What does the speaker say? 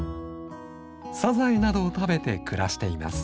サザエなどを食べて暮らしています。